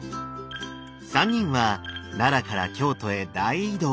３人は奈良から京都へ大移動。